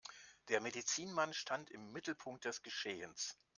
Der Medizinmann stand im Mittelpunkt des Geschehens.